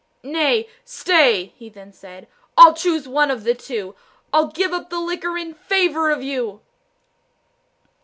"Nay stay," he then said, "I'll choose one of the two I'll give up the liquor in favour of you."